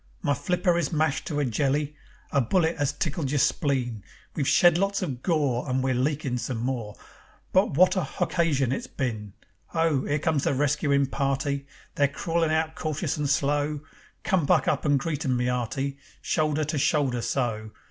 My flipper is mashed to a jelly. A bullet 'as tickled your spleen. We've shed lots of gore And we're leakin' some more, But wot a hoccasion it's been! Ho! 'Ere comes the rescuin' party. They're crawlin' out cautious and slow. Come! Buck up and greet 'em, my 'earty, Shoulder to shoulder so.